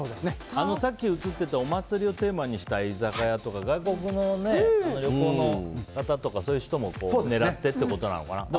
さっき映ってたお祭りをテーマにした居酒屋とか、外国の旅行の方とかそういう人も狙ってということなのかな。